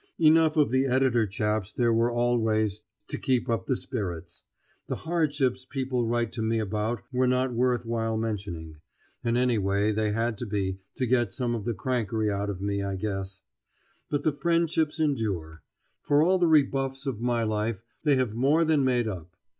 Enough of the editor chaps there were always to keep up the spirits. The hardships people write to me about were not worth while mentioning; and anyway they had to be, to get some of the crankery out of me, I guess. But the friendships endure. For all the rebuffs of my life they have more than made up.